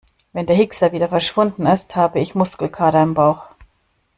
Wenn der Hickser wieder verschwunden ist, habe ich Muskelkater im Bauch.